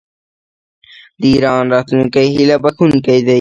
د ایران راتلونکی هیله بښونکی دی.